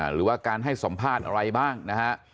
หรือว่าการให้สัมภาษณ์อะไรบ้างนะฮะ